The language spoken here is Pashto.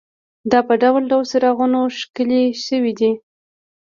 دا په ډول ډول څراغونو ښکلې شوې وې.